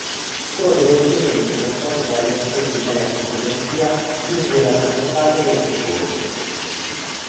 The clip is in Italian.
Scorre dolcemente con poche variazioni nella topografia lungo la maggior parte del suo corso.